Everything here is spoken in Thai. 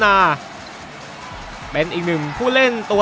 สนามโรงเรียนสมุทรสาคอนวุฒิชัย